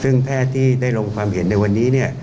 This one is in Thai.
ซึ่งแพทย์ที่ได้ลงความเห็นในวันนี้